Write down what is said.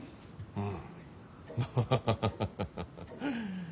うん。